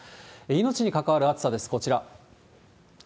命に関わる暑さです、こちら。